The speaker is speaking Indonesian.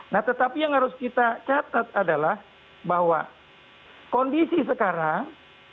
nah tetapi yang harus kita catat adalah bahwa kondisi sekarang